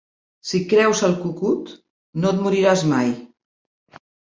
Si creus el cucut, no et moriràs mai.